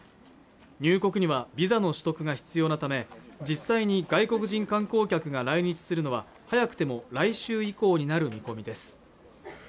入国にはビザの取得が必要なため実際に外国人観光客が来日するのは早くても来週以降になる見込みです